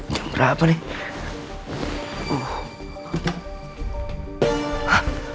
jam berapa nih